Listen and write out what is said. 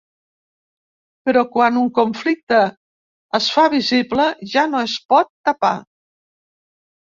Però quan un conflicte es fa visible ja no es pot tapar.